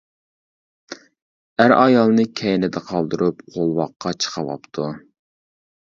ئەر ئايالنى كەينىدە قالدۇرۇپ قولۋاققا چىقىۋاپتۇ.